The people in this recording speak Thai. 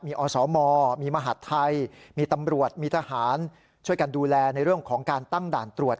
มีอสมมีมหาดไทยมีตำรวจมีทหารช่วยกันดูแลในเรื่องของการตั้งด่านตรวจ